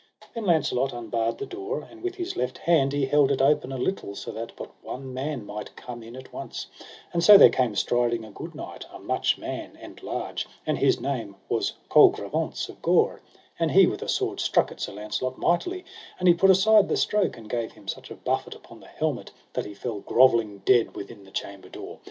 Then Launcelot unbarred the door, and with his left hand he held it open a little, so that but one man might come in at once; and so there came striding a good knight, a much man and large, and his name was Colgrevance of Gore, and he with a sword struck at Sir Launcelot mightily; and he put aside the stroke, and gave him such a buffet upon the helmet, that he fell grovelling dead within the chamber door.